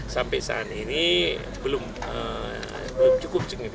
sampai saat ini belum cukup signifikan